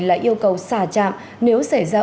là yêu cầu xả trạm nếu xảy ra